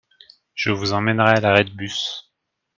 Je vous emmènerai à l'arrêt de bus.